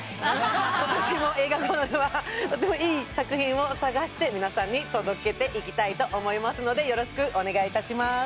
今年も映画コーナーはとてもいい作品を探して皆さんに届けていきたいと思いますのでよろしくお願いいたします